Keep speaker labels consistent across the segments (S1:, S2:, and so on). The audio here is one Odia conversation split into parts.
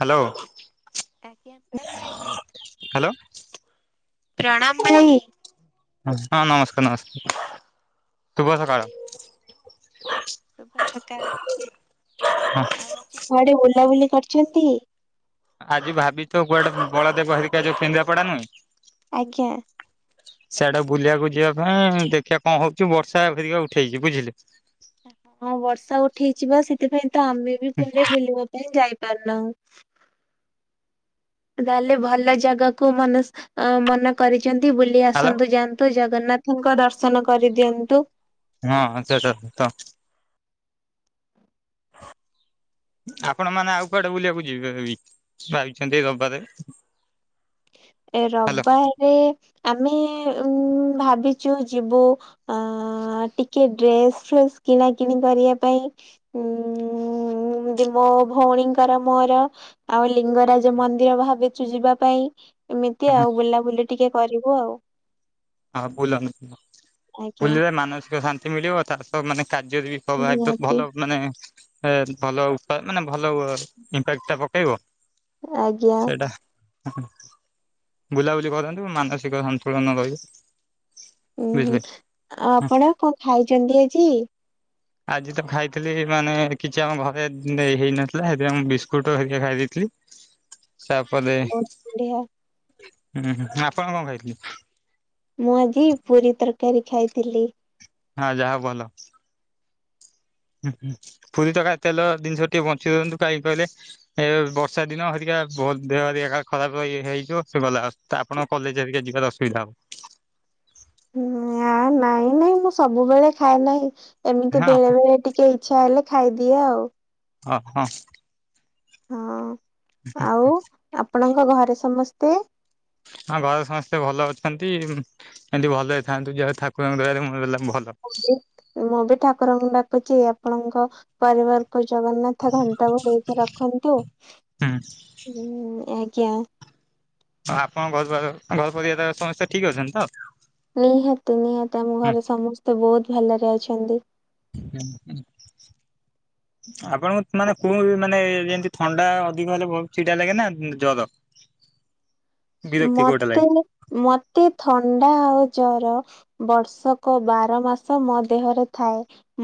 S1: ହ୍ୟାଲୋ
S2: [unintelligible] ଭାଇ
S1: ହ୍ୟାଲୋ
S2: ପ୍ରଣାମ ଭାଇ
S1: ହଁ ନମସ୍କାର ନମସ୍କାର ତୁଭ ସକାଳ
S2: ଶୁଭ ସକାଳ ଆଉ ଆଜିଆଡେ ବୁଲାବୁଲି କରିଛନ୍ତି?
S1: ଆଜି ଭାବିଛୁ କୁଆଡେ ବଳଦେବ ହରିକା ଯୋଉ ଫିନ୍ଧା ପଡା ନୁହଁ
S2: ଆଜ୍ଞା
S1: ସେଆଡା ବୁଲିବାକୁ ଯିବା ପାଇଁ ଦେଖିବା କଣ ହଉଛିୁ ବର୍ଷା ଫେରିକ ଉଠେଇଛି ବୁଝିଲେ
S2: ହଁ ବର୍ଷା ଉଠେଇଛି ବା ସେଥିପାଇଁ ତ ଆମେ ବି କୁଆଡେ ବୁଲିବା ପାଇଁ ଯାଇପାରୁନାହୁଁ ତାହେଲେ ଭଲ ଜାଗାକୁ ମନସ ମନ କରିଛନ୍ତି ବୁଲି
S1: ହ୍ୟାଲୋ
S2: ଆସନ୍ତୁ ଯାଆନ୍ତୁ ତୁ ଜଗନ୍ନାଥଙ୍କ ଦର୍ଶନ କରିଦିଅନ୍ତୁ।
S1: ହଁ ସେଟା ତ [inaudible] ଆପଣ ମାନେ ଆଉ କୁଆଡେ ବୁଲିବାକୁ ଯିବେ ଇ ପାଇଛନ୍ତି ଦବାରେ
S2: ଏ ରବାରେ ଆମେ ଉ ଭାବିଛୁ ଯିବୁ ଅ ଟିକେ ଡ୍ରେସ୍ ଫ୍ରେସ୍ କିଣା କିିଣି କରିବା ପାଇଁ ଉଁ ଏମତି ମୋ ଭଉଣୀଙ୍କର ମୋର ଆଉ ଲିଙ୍ଗରାଜ ମନ୍ଦିର ଭାବିଛୁ ଯିବା ପାଇଁ ଏମିତି ଆଉ
S1: ହଁ
S2: ବୁଲାବୁଲି ଟିକେ କରିବୁ ଆଉ
S1: ହଁ ବୁଲ ନି
S2: ଆଜ୍ଞା
S1: ବୁଲିଲେ ମାନସିକ ଶାନ୍ତି ମିଳିବ ଚାଷ ମାନେ କାର୍ଯ୍ୟରେ ବି ସ [unintelligible]
S2: ନିହାତି
S1: ଭଲ ମାନେ ଏ ଭଲ ଉପ ମାନେ ଭଲ ଇପ ଟା ପକେଇବ
S2: ଆଜ୍ଞା
S1: ସେଇଟା ହୁ ହୁ ବୁଲାବୁଲି କରନ୍ତୁ ମାନସିକ ସନ୍ତୁଳନ ରହିିବ
S2: ଉୁଁ ହୁଁ ଆଉ ଆପଣ କଣ ଖାଇଛନ୍ତି ଆଜି
S1: ଆଜି ତ ଖାଇଥିଲି ମାନେ କିଛି ଆମ ଘରେ ଉ ହେଇନଥିଲା ଏଥିପାଇଁ ମୁଁ ବିସ୍କୁଟ ହେରିକା ଖାଇ ଦେଇଥିଲି। ତାପରେ
S2: ବହୁତ ବଢିଆ
S1: ହୁଁ ହୁ ଆପଣ କଣ ଖାଇଥିଲେ?
S2: ମୁଁ ଆଜି ପୁରୀ ତରକାରୀ ଖାଇଥିଲି।
S1: ଆଉ ଯାହା ହଉ ଭଲ। ହୁଁ ହୁଁ ପୁରୀ ତରକାରୀ ତେଲ ଜିନିଷ ଟିକେ ବଞ୍ଚି ଦିଅନ୍ତୁ କାହିଁକି କହିଲେ ଏ ବର୍ଷା ଦିନ ହେରିକା ବହୁତ ଦେହ ହେରିକା ଖରାପ ହେଇଯିବ ଗଲା ତ ଆପଣ କଲେଜ ହେରିକା ଯିବାରେ ଅସୁବିଧା ହବ।
S2: ଆଉ ନାଇଁ ନାଇଁ ମୁଁ ସବୁବେଳେ ଖାଏ ନାହିଁ ଏମିତି
S1: ହଁ
S2: ବେଳେ ବେଳେ ଟିକେ ଇ ଇଛା ହେଲେ ଖାଇଦିଏ ଆଉ।
S1: ଅ ହଁ।
S2: ହଁ।
S1: ହେଁ।
S2: ଆଉ ଆପଣଙ୍କ ଘରେ ସମସ୍ତେ।
S1: ହଁ ଘରେ ସମସ୍ତେ ଭଲ ଅଛନ୍ତି ଏମତି ଭଲ ରେ ଥାନ୍ତୁ ଯହାହଉ ଠାକୁରଙ୍କ ଦୟାରୁ ଭଲ।
S2: ମୁଁ ମୁଁ ବି ଠାକୁରଙ୍କୁ ଡାକୁଛି ଆପଣଙ୍କ ପରିବାରକୁ ଜଗନ୍ନାଥ
S1: ହୁଁ
S2: ଉଁ ଆଜ୍ଞା।
S1: ହଁ ଆପଣଙ୍କ ଘରଦ୍ୱର ଘର ପରିବା ସମସ୍ତେ ଠିକ ଅଛନ୍ତି ତ।
S2: ନିହାତି ନିହାତି ଆମ ଘରେ
S1: ହୁଁ
S2: ସମସ୍ତେ ବହୁତ ଭଲରେ ଅଛନ୍ତି।
S1: ହୁଁ ହୁଁ। ଆପଣଙ୍କୁ ମାନେ କୁହ ମାନେ ଯେମିତି ଥଣ୍ଡା ଅଧିକ ହେଲେ ବହୁତ ଚିଡା ଲାଗେ ନା ଜର। [unintelligible] କୋଉଟା
S2: ମତେ
S1: ଲାଗେ
S2: ମତେ ଥଣ୍ଡା ଆଉ ଜର। ବର୍ଷକ ବାର ମାସ ମୋ ଦେହରେ ଥାଏ।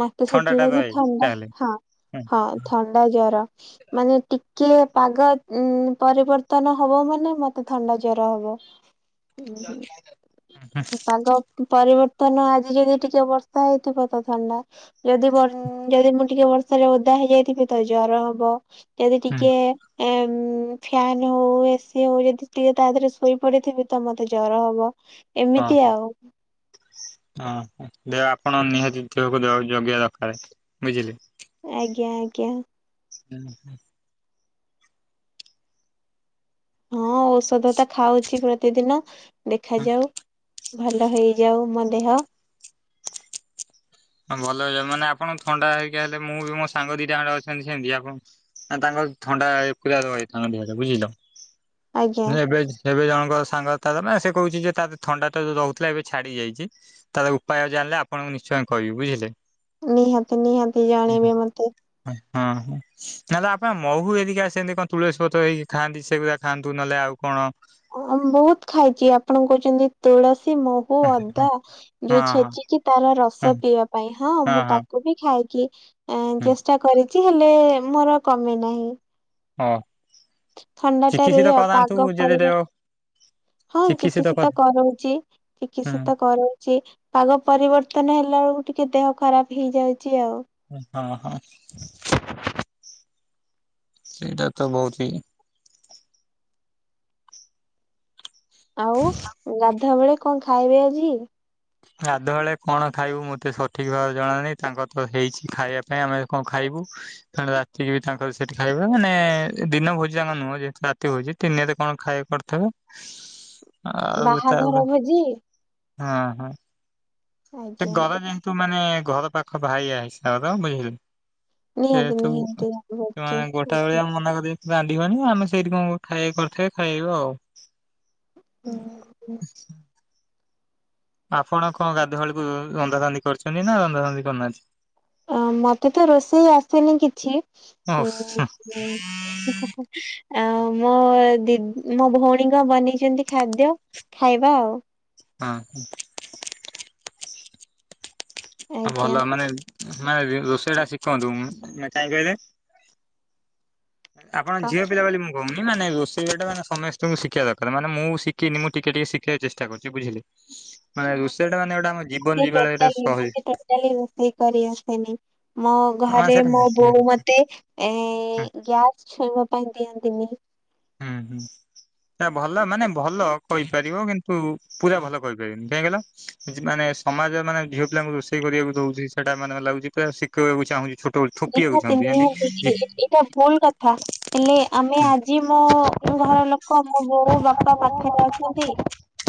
S2: ମତେ
S1: ଥଣ୍ଡା ଟା
S2: ସେଥିଲାଗି
S1: ରହେ
S2: ଥଣ୍ଡା
S1: ତାହେଲେ
S2: ହଁ
S1: ହୁଁ
S2: ହଁ ଥଣ୍ଡା ଜର। ମାନେ ଟିକେ ପାଗ ଉଁ ପରିବର୍ତ୍ତନ ହବ ମାନେ ମତେ ଥଣ୍ଡା ଜ ଜର ହବ ଉଁ ହୁଁ ତାଙ୍କ ପରିବର୍ତ୍ତନ ଆଜି ଯଦି ଟିକେ ବର୍ଷା ହେଇଥିବ ତ ଥଣ୍ଡା ଯଦି ଯଦି ଟିକେ ବର୍ଷାରେ ଓଦା ହେଇଯାଇଥିବେ ତ ଜର ହବ ଯଦି
S1: ହୁଁ
S2: ଟିକିଏ। ଏଁ ଉଁ ଫ୍ୟାନ୍ ହଉ ଏସିି ହଉ ଯଦି ଟିକେ ତା ଦେହରେ ଶୋଇ ପଡିଥିବି ତ ମତେ ଜର ହବ ଏମିତି
S1: ହଁ
S2: ଆଉ।
S1: ହଁ ଦେହ ଆପଣ ନିହାତି ଦେହକୁ ଜଗିବା ଦରକାର ବୁଝିଲେ।
S2: ଆଜ୍ଞା ଆଜ୍ଞା।
S1: ହୁଁ ହୁଁ।
S2: ହଁ ଔଷଧ ତ ଖାଉଛି ପ୍ରତିଦିନ ଦେଖାଯାଉ। ଭଲ ହେଇଯାଉ ମୋ ଦେହ।
S1: ହ ଭଲ ହେଇଯିବ ମାନେ ଆପଣ ଥଣ୍ଡା ହେଇକି ହେଲେ ମୁଁ ବି ମୋ ସାଙ୍ଗ ଦିଟା ଜାଙ୍କ ଅଛନ୍ତି ସେମିତି ଆପଣ ନା ତାଙ୍କର ଥଣ୍ଡା ପୁରା ରହିଛି ତାଙ୍କ ଦେହରେ ବୁଝିଲ
S2: ଆଜ୍ଞା
S1: ଏବେ ଏବେ ଜଣଙ୍କ ସାଙ୍ଗ ତ ମାନ ସେ କହୁଛି ଯେ ତା ଥଣ୍ଡାଟା ଯଉ ରହୁଥିଲା ଏବେ ଛାଡ଼ି ଯାଇଛି। ତାର ଉପାୟ ଜାଣିଲେ ଆପଣଙ୍କୁ ନିଶ୍ଚୟ କହିବି ବୁଝିଲେ।
S2: ନିହାତି ନିହାତି ଜାଣିବେ ମତେ।
S1: ହଁ ହଁ। ନହେଲେ ଆପଣ ମହୁ ହେରିକା ସେମିତି କଣ ତୁଳସୀ ପତ୍ର ହେଇି ଖାଆନ୍ତି ସେଇ ଗୁ୍ରାକ ଖାଆନ୍ତୁ ନହେଲେ ଆଉ କଣ।
S2: ହଁ ବହୁତ ଖାଇଛି ଆପଣ କହୁଛନ୍ତି ତୁଳସୀ ମହୁ
S1: ହଁ
S2: ଅଦା ଯୋଉ
S1: ହଁ
S2: ଛେଚିକି ତାର ରସ
S1: ହଁ
S2: ପିଇବା ପାଇଁ ହଁ ମୁଁ ତାକୁ ବି ଖାଇକି ଏଁ
S1: ହୁଁ
S2: ଚେଷ୍ଟା କରିଛି ହେଲେ ମୋର କମି ନାହିଁ।
S1: ହଁ।
S2: ଥଣ୍ଡା ଟା
S1: ଚିକିତ୍ସିତ
S2: ରୁହେ
S1: କରାନ୍ତୁ
S2: ପାଗ
S1: ଯଦି
S2: ପରିବ
S1: ଦେହ
S2: ହଁ ଚିକିତ୍ସିତ କରଉଛି
S1: ହୁଁ
S2: ଚିକିତ୍ସିତ କରୋ ଉଛି ପାଗ ପରିବର୍ତ୍ତନ ହେଲା ବେଳକୁ ଟିକେ ଦେହ ଖରାପ ହେଇଯାଉଛି ଆଉ।
S1: ହଁ ହଁ ସେଇଟା ତ ବହୁତ ହି।
S2: ଆଉ ଗାଧୁଆ ବେଳେ କଣ ଖାଇବେ ଆଜି।
S1: ଗାଧୁଆ ବେଳେ କଣ ଖାଇବୁ ମତେ ସଠିକ ଭାବରେ ଜଣାନହି ତାଙ୍କ ତ ହେଇଛି ଖାଇବା ପାଇଁ ଆମେ କଣ ଖାଇବୁ। କାର ରାତିକ ବି ତାଙ୍କର ସେଠି ଖାଇବା ମାନେ ଦିନ ଭୋଜି ଆମର ନୁହଁ ଯେହେତୁ ରାତି ଭୋଜି। ତିନିରେ କଣ ଖାଇବା କରିଥିବ? ଆଉ ତା
S2: ବାହାଘର
S1: ହଉ
S2: ଭୋଜି
S1: ହଁ ହଁ। ସେ
S2: ଆଜ୍ଞା
S1: ଗରେ ଯେନୁ ମାନେ ଘର ପାଖ ଭାଇ ଆସ ର ବୁଝିଲି।
S2: ନିହାତି
S1: ସେତୁ
S2: ନିହାତି
S1: ତ
S2: ଆଜ୍ଞା
S1: ଗୋଟା ଭଳିଆ ମନା କରି ରାନ୍ଧିବନି ଆମେ ସେଇଠି କଣ ଖାଇ କରିଥିବେ ଖାଇବା ଆଉ? ହୁଁ। ଆପଣ କଣ ଗାଧୁଆଳିକୁ ରନ୍ଧା ରନ୍ଧି କରିଛନ୍ତି ନା ରନ୍ଧା ରନ୍ଧି କରିନାହାନ୍ତି?
S2: ଅ ମତେ ତ ରୋଷେଇ ଆସିନି କିଛି
S1: ଓଃ
S2: ଉଁ ଉ। [unintelligible] ଆଉ ମୋ ଦିି ମୋ ଭଉଣୀଙ୍କ ବନେଇଛନ୍ତି ଖାଦ୍ୟ ଖାଇବା ଆଉ।
S1: ହଁ। ଆଉ
S2: ଆଜ୍ଞା
S1: ଭଲ ମାନେ ମାନେ ରୋଷେଇ ଟା ଶିଖନ୍ତୁ କାହିଁ କହିଲେ? ଆପଣ
S2: କ
S1: ଝିଅ ପିଲା ବୋଲି ମୁଁ ହଉନି ମାନେ ରୋଷେଇ ଗୋଟେ ମାନେ ସମସ୍ତଙ୍କୁ ଶିଖିବା ଦରକାର ମାନେ ମୁଁ ଶିଖିନି ମୁଁ ଟିକେ ଟିକେ ଶିଖିବା ଚେଷ୍ଟା କରୁଛି ବୁଝିଲେ। ମାନେ
S2: ମତେ
S1: ରୋଷେଇ ଟା ମାନେ ଗୋଟେ ଆମ ଜୀବନ ଯିବା ଳୟା ଟା ଶୈଳୀ।
S2: ତାହେଲେ ରୋଷେଇ କରି ଆସେନି। ମୋ
S1: ମାନେ
S2: ଘରେ
S1: ସେଟା
S2: ମୋ ବୋଉ ମତେ ଏ
S1: ହୁଁ
S2: ଗ୍ୟା ଛୁଇବା ପାଇଁ ଦିଅନ୍ତିନି।
S1: ହୁଁ ହୁଁ। ଏ ଭଲ ମାନେ ଭଲ କହିପାରିବ କିନ୍ତୁ ପୁରା ଭଲ କହିପାରିବିନି କାହିଁକିଲ? ମାନେ ସମାଜ ମାନେ ଝିଅ ପିଲାଙ୍କୁ ରୋଷେଇ କରିବାକୁ ଦଉଛି ସେଟା ମାନେ ଲାଗୁଛି ଶିଖେଇବାକୁ ଚାହୁଁଛି ଛୋ
S2: [unintelligible] ହେଲେ ଆମେ ଆଜି ମୋ ଘର ଲୋକ ମୋ ବୋଉ ବାପା ପାଖରେ ଅଛନ୍ତି।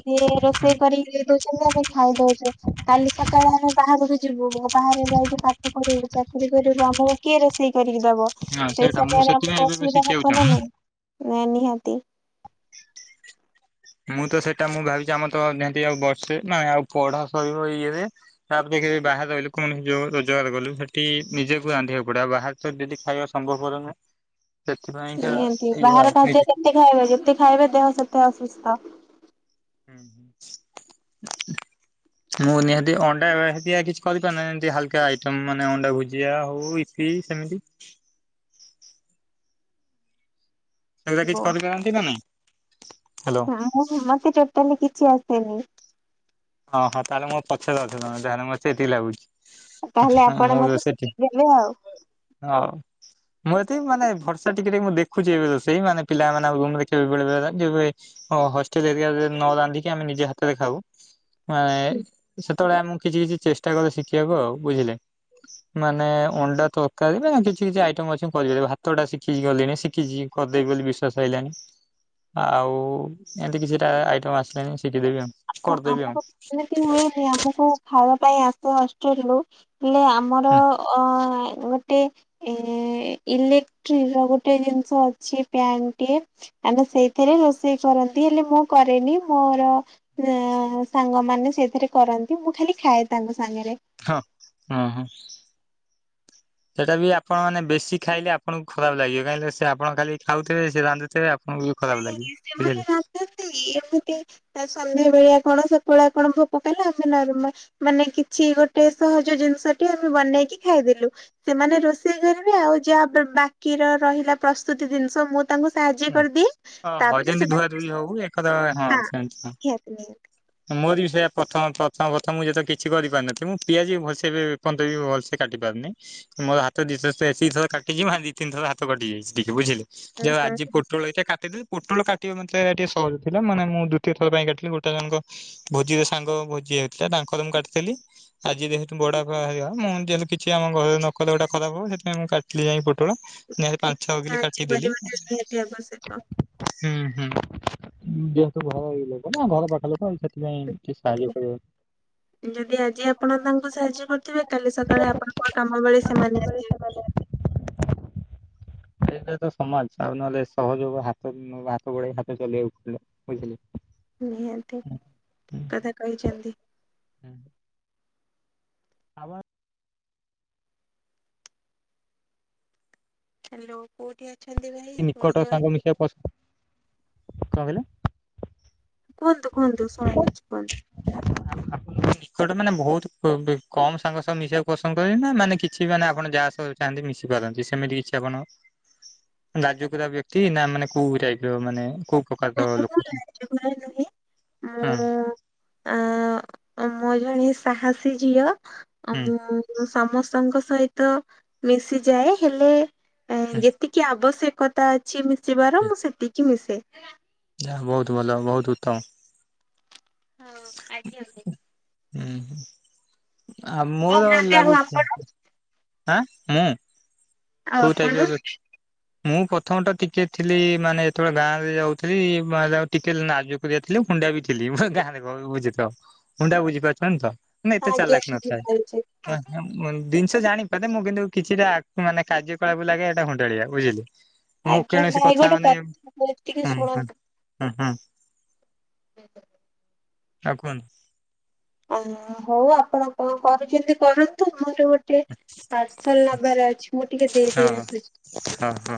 S2: ସିଏ ରୋଷେଇ କରିକି ଦେଇ ଦଉଛନ୍ତି ଆମେ ଖାଇ ଦଉଛୁ କାଲି ସକାଳେ ଆମେ ବାହାରକୁ ଯିବୁ ବାହାରେ ଯାଇକି ପାଠ ପଢିବୁ ଚାକିରି କରିବୁ ଆମ କିଏ ରୋଷେଇ କରିକି ଦବ
S1: ହଁ
S2: ସେଇ
S1: ସେଇଟା ମୁଁ
S2: ସମୟରେ
S1: ସେଥିପାଇଁ
S2: ଆମକୁ
S1: ଏବେ
S2: ଅସୁବିଧା
S1: ଶିଖିବାକୁ
S2: ହବ ନା ନାଇଁ ନିହାତି।
S1: ମୁଁ ତ ସେଇଟା ମୁଁ ଭାବିଛି ଆମର ତ ନିହାତି ଆଉ ବର୍ଷେ ନାଁ ଆଉ ପଢା ସରିବ ଇଏରେ। ତାପରେ ଦେଖିବି ବାହାରେ ରହିଲୁ କଣ ଯୋଉ ରୋଜାର ଗଲୁ ସେଠି ନିଜକୁ ରାନ୍ଧିବାକୁ ପଡିବ ବାହା ଯଦିଟି ଖାଇବା ସମ୍ଭବପର ନୁହ ସେଥିପାଇଁକା
S2: ନିହାତି
S1: ଇଏ
S2: ବାହାର
S1: ଆଉ
S2: ଖାଦ୍ୟ
S1: ନୁହେକି।
S2: କେତେ ଖାଇବେ ଯେତେ ଖାଇବେ ଦେହ ସେତେ ଅସୁସ୍ଥ।
S1: [inaudible] ମୁଁ ନିହାତି ଅଣ୍ଡାତିଆ କିଛି କରିପାରୁନାଁହାତୀ ଏମତି ହାଲକା ଆଇଟମ୍ ମାନେ ଅଣ୍ଡା ଭୁଜିଆ ହଉ ଇ କି ସେମିତି। ସେଉଗା
S2: ହବ।
S1: କିଛି କରିପାରନ୍ତି ନା ନାଇଁ। ହ୍ୟାଲୋ
S2: ମୁ ମତେ ଟୋଟାଲି କିଛି ଆସେନି।
S1: ହଁ ହଁ ତାହେଲେ ମୋ ପଛରେ ଅଛ ତମେ ତାହେଲେ ମତ ସେଠକି ଲାଗୁଛି।
S2: ତାହେଲେ ଆପଣ
S1: ମୁଁ
S2: ମତେ
S1: ସେଠି
S2: ଶିଖିଦେବେ ଆଉ।
S1: ହଉ। ମୁଁ ଏତେ ବି ମାନେ ଭର୍ଷା ଟିକେ ଟିକେ ମୁଁ ଦେଖୁଛି ଏବେ ରୋସେଇ ମାନେ ପିଲାମାନେ ରୁମଖବେ ବେଳେବେଳେ ଯେବେ ହଁ ହଷ୍ଟେଲ ଏରିଆରେ ନ ରାନ୍ଧିକି ଆମେ ନିଜେ ହାତରେ ଖାଉ। ମାନେ ସେତେବେଳେ ଆ ମୁକୁ କିଛି କିଛି ଚେଷ୍ଟା କଲେ ଶିଖିବାକୁ ଆଉ ବୁଝିଲେ। ମାନେ ଅଣ୍ଡା ତରକାରୀ ନା କିଛି କିଛି ଆଇଟମ ଅଛି କରିପାରିବେ ଭାତ ଟା ଶିଖି ଗଲିଣି ଶିଖିଛି। କରିଦେଇବି ବୋଲି ବିଶ୍ୱାସ ହେଇଲାନି। ଆଉ ଏମିତି କିଛିଟା ଆଇଟମ ଆସିଲେଣି ଶିଖିଦବି ଆଉ
S2: ହଁ,
S1: କରିଦେବି
S2: ଆମକୁ
S1: ଆଉ।
S2: ଏମିତି ହୁଏନି ଆମକୁ ଖାଇବା ପାଇଁ ଆସେ ଅଷ୍ଟଲୁ। ହେଲେ ଆମର
S1: ହୁଁ
S2: ଅ ଗୋଟେ ଏ ଇଲେକ୍ଟ୍ରି ର ଗୋଟେ ଜିନିଷ ଅଛି ପ୍ୟାଣ୍ ଟିଏ। ଆମେ ସେଇଥିରେ ରୋଷେଇ କରନ୍ତି ହେଲେ ମୁଁ କରେନି ମୋର ଅ ସାଙ୍ଗମାନେ ସେଥିରେ କରନ୍ତି ମୁଁ ଖାଲି ଖାଏ ତାଙ୍କ ସାଙ୍ଗରେ।
S1: ହଁ ହଁ ହଁ। ସେଟା ବି ଆପଣ ମାନେ ବେଶୀ ଖାଇଲେ ଆପଣଙ୍କୁ ଖରାପ ଲାଗିବ କାହିଁକି ସେ ଆପଣ ଖାଲି ଖାଉଥିବେ ସେ ରାନ୍ଧୁଥିବେ ଆପ ହଁ ବି ଖରାପ ଲାଗିବ
S2: ସେମାନେ
S1: ବୁଝିଲେ।
S2: ଏମିତି [inaudible] ସନ୍ଧ୍ୟା ବେଳିଆ କଣ ସକାଳେ କଣ ଭୋକ କଲେ [inaudible] ମାନେ କିଛି ଗୋଟେ ସହଜ ଜିନିଷଟି ଆମେ ବନେଇକି ଖାଇଦେଲୁ। ସେମାନେ ରୋଷେଇ କରିବେ ଆଉ ଯାହା ବା ବାକି ବାକି ର ରହିଲା ପ୍ରସ୍ତୁତି ଜିନିଷ ମୁଁ ତାଙ୍କୁ ସାହାଯ୍ୟ କରିଦିଏ।
S1: ଓ ହଉ
S2: ତାପରେ
S1: ଯେମିତି ଧୁଆ
S2: ସେମାନେ
S1: ଧୁଇ ହବ ଏକର ହଁ ସେମତି ହଁ।
S2: [inaudible]
S1: ମୋର ବି ସେୟା ପ୍ରଥମ ପ୍ରଥମ ପ୍ରଥମ ମୁ ଯେତ କିଛି କରିପାରିନଥିଲି ମୁଁ ପିଆଜ ବି ଭସେଇ ଏପର୍ଯ୍ୟନ୍ତ ବି ଭଲ ସେ କାଟି ପାରୁନି। ମୋର ହାତ ଦିଥ ଥର [inaudible] କାଟିକି ଦି ତିିନି ଥର ହାତ କଟି ଯାଇଛି ଟିକେ ବୁଝିଲେ।
S2: ହୁଁ
S1: ଯୋଉ
S2: ହୁଁ।
S1: ଆଜି ପୋଟଳ ଦିଟା କାଟିଦେ ପୋଟଲ କାଟିବା ମୋତେ ଟିକେ ସହଜ ଥିଲା ମାନେ ମୁଁ ଦ୍ୱିତୀୟଥର ପାଇଁ କାଟିଲି ଗୋଟେ ଜଣଙ୍କ ଭୋଜିରେ ସାଙ୍ଗ ଭୋଜି ହେଉଥିଲା ତାଙ୍କ ଘରେ ମୁଁ କାଟିଥିଲି। ଆଜି ଯେହେତୁ ବଡାପା ଆଇବ ମୁଁ ଯେହେତୁ କିଛି ଆମ ଘରେ ନକଲେ ଗୋଟା ଖରାପ ହବ ସେଥିପାଇଁ ମୁଁ କାଟିଲି ଯାଇ ପୋଟଳ ପୋଟଳ ଯାହା ହେଲେ ପାଞ୍ଚ ଛଅ କିଲୋ
S2: ସାହାଯ୍ୟ
S1: କାଟିଦେଲି।
S2: କରିବାଟା ନିହାତି ଆବଶ୍ୟକ।
S1: ହୁଁ ହୁଁ ଯେହେତୁ ଘର ହେଇ ଲୋକ ନା ଘର ପାଖ ଲୋକ [inaudible]
S2: ଯଦି ଆଜି ଆପଣ ତାଙ୍କୁ ସାହାଯ୍ୟ କରୁଥିବେ କାଲି ସକାଳେ ଆପଣଙ୍କ କାମ ବେଳେ ସେମାନେ ଆସିବେ।
S1: [inaudible] ଏଇଟା ତ ସମାଜ ଆଉ ନହେଲେ ସହଯୋଗ ହାତ ହାତ ବଢେଇ ହାତ ଚଲେଇବାକୁ ପଡିବ। ବୁଝିଲି।
S2: ନିହାତି କଥା କହିଛନ୍ତି।
S1: [inaudible] ଆବାର
S2: ହ୍ୟାଲୋ କୋଉଠି ଅ
S1: ନିକଟ ସାଙ୍ଗ ମିଶ ପ କଣ କହିଲେ
S2: କୁହନ୍ତୁ କୁହନ୍ତୁ ଶୁଣା ଯାଉଚି କୁହନ୍ତୁ।
S1: [inaudible] ଗୋଟେ ମାନେ ବହୁତ କମ ସାଙ୍ଗସହ ମିଶିବାକୁ ପସନ୍ଦ କରିବେ ନା ମାନେ କିଛି ମାନେ ଆପଣ ଯାହା ସହ ଚାହାନ୍ତି ମିଶି ପାରନ୍ତି ସେମିତି କିଛି ଆପଣ ଲାଜକୁରା ବ୍ୟକ୍ତି ନା ମାନେ କୋଉ ଟାଇପ ର ମାନେ କୋଉ ପ୍ରକାରର
S2: ନାଇଁ
S1: ଲୋକ ତମେ।
S2: [inaudible] ମୋ ଜଣେ ସାହସୀ ଝିଅ
S1: ହୁଁ
S2: ଆଉ ମୁଁ ମୁଁ ସମସ୍ତଙ୍କ ସହିତ ମିଶିଯାଏ ହେଲେ
S1: ହୁଁ
S2: ଯେ ତିକି ଆବଶ୍ୟକତା ଅଛି ମିଶିବାର ମୁଁ ସେତିକି ମିଶେ।
S1: ଯାହା ହୋଉ ବହୁତ ଭଲ ବହୁତ ଉତ୍ତମ।
S2: ହଁ ଆଜ୍ଞା।
S1: ହୁଁ ଆ ମୋର
S2: କହୁନାହାନ୍ତି ଆଉ
S1: ଲାଗୁଥିବ
S2: ଆପଣ
S1: ଆଃ ମୁଁ
S2: ଆଉ
S1: କୋଉ
S2: ଆପଣ?
S1: ଟାଇପର ବେ ମୁଁ ପ୍ରଥମତଃ ଟିକେ ଥିଲି ମାନେ ଯେତେବେଳେ ଗାଁରେ ଯାଉଥିଲି ଟିକେ ଲାଜକୁ କୁରା ବି ଥିଲି ହୁଣ୍ଡା ବି ଥିଲି ମାନେ ଗାଁରେ କହିଲି ବୁଝୁଥ ହୁଣ୍ଡା ବୁଝିପାରୁଛନ୍ତି ତ। ମାନେ ଏତେ
S2: ଆଜ୍ଞା
S1: ଚାଲାକ ନଥାଏ
S2: ଶୁଣିପାରୁଛି
S1: ମାନେ ଜିନିଷ ଜାଣିପାରେ ମୁଁ କିନ୍ତୁ କିଛିଟା ଆଃ ମାନେ କାର୍ଯ୍ୟ କଳାପରୁ ଲାଗେ ଏଇଟା ହୁଣ୍ଡାଳିଆ ବୁଝିଲେ। ମୁଁ
S2: ଆଜ୍ଞା
S1: କିଣସି
S2: ଭାଇ
S1: କଥା
S2: ଗୋଟେ
S1: ମାନେ
S2: କଥା ଟିକେ
S1: ହଁ ହଁ।
S2: ଶୁଣନ୍ତୁ।
S1: ହୁଁ ହୁଁ ଆଉ କୁହନ୍ତୁ।
S2: ଉଁ ହଉ ଆପଣ କଣ କରୁଛନ୍ତି କରନ୍ତୁ ମୋର ଗୋଟ ଟେ ପାର୍ସଲ ନବାର ଅଛି ମୁଁ ଟିକେ ଦେଇଦେଇ
S1: ହଁ ହଁ
S2: ଆସୁଛି।
S1: ହଁ ହଁ।